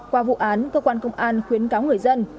qua vụ án cơ quan công an khuyến cáo người dân